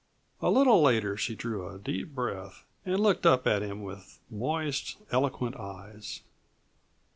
A little later she drew a deep breath and looked up at him with moist, eloquent eyes.